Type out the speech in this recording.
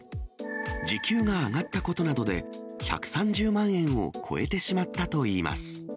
時給が上がったことなどで、１３０万円を超えてしまったといいます。